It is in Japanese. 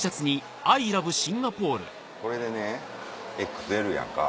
これでねＸＬやんか。